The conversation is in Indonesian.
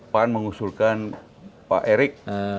pan mengusulkan pak erik